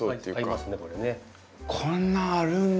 こんなあるんだ。